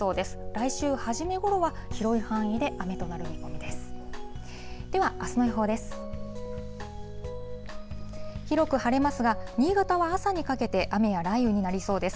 来週初めごろは、広い範囲で雨となる見込みです。